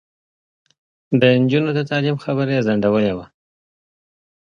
د نجونو د تعلیم خبره یې ځنډولې وه.